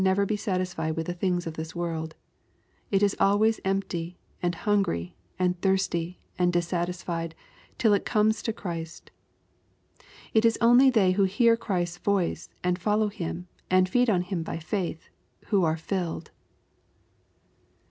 never be satisfied with the things of this world. It is always empty, and hungry, and thirsty, and dissatisfied, tUPit comes to Christ. It is only they who hear Christ's voice, and follow Him, and feed on Him by faith, who are "filled.